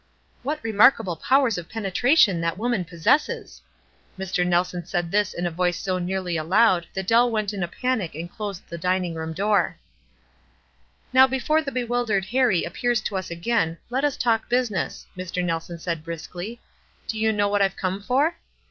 M What remarkable powers of penetration that woman possesses !" Mr. Nelson said this in a voice so nearly aloud that Dell went in a panic and closed the dining room door. 356 WISE AND OTHERWISE. "Now before ibe bewildered Harric appears to us again, let us talk business," Mr. Nelson said, briskly. "Do yon know what I've come for?"